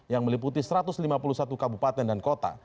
yang meliputi satu ratus lima puluh satu kabupaten dan kota